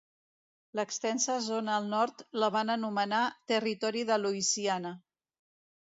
L'extensa zona al nord la van anomenar "territori de Louisiana".